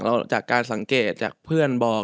แล้วจากการสังเกตจากเพื่อนบอก